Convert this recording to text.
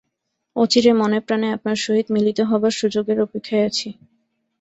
অচিরে মনে প্রাণে আপনার সহিত মিলিত হবার সুযোগের অপেক্ষায় আছি।